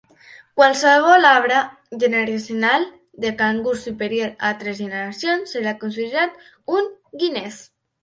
Qualsevol arbre generacional de cangurs superior a tres generacions serà considerat un Guinness.